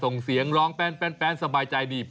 ส่งเสียงร้องแป้นสบายใจดี